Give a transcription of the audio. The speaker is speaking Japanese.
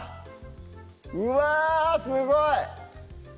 うわすごい！